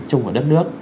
chung với đất nước